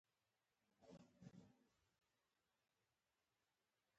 افغانستان کې د پسرلی د پرمختګ هڅې روانې دي.